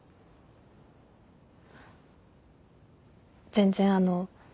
全然あの。